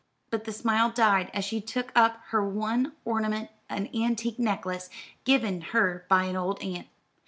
But the smile died as she took up her one ornament, an antique necklace, given her by an old aunt.